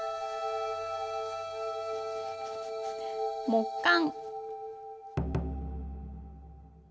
「木簡」。